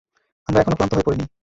আমরা এখনও ক্লান্ত হয়ে পড়িনি।